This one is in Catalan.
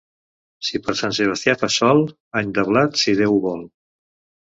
Si per Sant Sebastià fa sol, any de blat, si Déu ho vol.